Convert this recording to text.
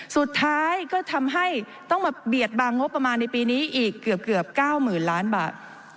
สุดท้ายก็ทำให้ต้องมาเบียดบางงบประมาณในปีนี้อีกเกือบ๙๐๐๐ล้านบาท